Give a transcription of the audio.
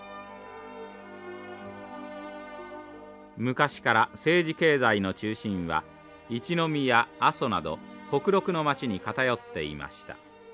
昔から政治経済の中心は一の宮阿蘇など北麓の町に偏っていました。